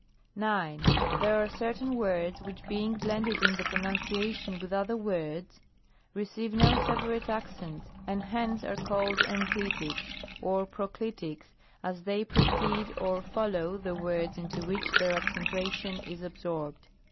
9. There are certain words, which being blended in the pronunciation with other words, receive no sepa rate accent, and hence are called enclitics, or proclitics, as they precede or follow the words into which their axjcentuation is absorbed.